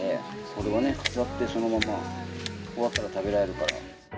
これはね飾ってそのまま終わったら食べられるから。